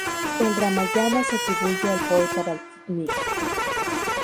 El "Ramayana" se atribuye al poeta Valmiki.